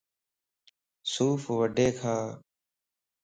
سوڦ وڊي کا